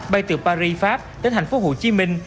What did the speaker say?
bay từ paris pháp đến thành phố hồ chí minh